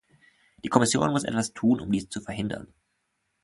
Die Kommission muss etwas tun, um dies zu verhindern.